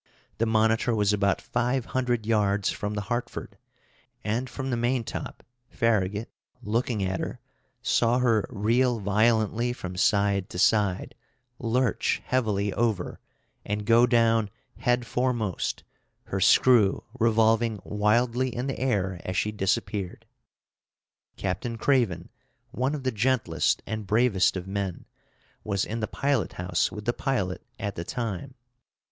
The monitor was about five hundred yards from the Hartford, and from the maintop Farragut, looking at her, saw her reel violently from side to side, lurch heavily over, and go down headforemost, her screw revolving wildly in the air as she disappeared. Captain Craven, one of the gentlest and bravest of men, was in the pilot house with the pilot at the time.